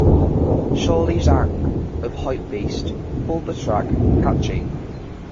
Charlie Zhang of "Hypebeast" called the track "catchy".